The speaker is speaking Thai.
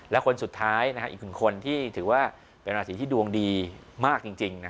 และคนสุดท้ายอีกหนึ่งคนที่ถือว่าเป็นราศีที่ดวงดีมากจริง